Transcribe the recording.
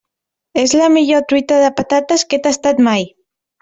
És la millor truita de patates que he tastat mai.